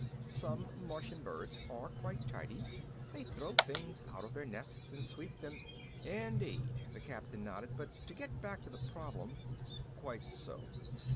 Some Martian birds are quite tidy. They throw things out of their nests and sweep them " "Indeed." The Captain nodded. "But to get back to the problem " "Quite so.